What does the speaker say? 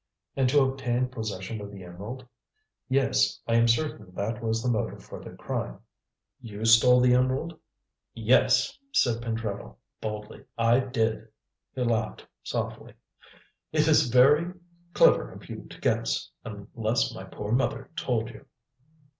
"And to obtain possession of the emerald?" "Yes. I am certain that was the motive for the crime." "You stole the emerald?" "Yes," said Pentreddle boldly. "I did." He laughed softly. "It is very clever of you to guess, unless my poor mother told you."